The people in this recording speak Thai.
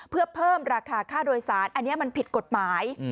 เพื่อเพิ่มราคาค่าโดยสารอันนี้มันผิดกฎหมาย